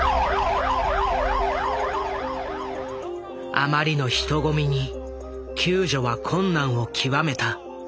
あまりの人混みに救助は困難を極めた。